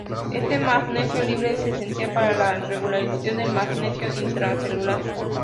Este magnesio "libre" es esencial para la regulación del magnesio intracelular.